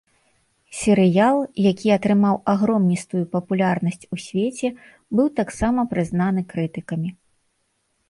Серыял, які атрымаў агромністую папулярнасць у свеце, быў таксама прызнаны крытыкамі.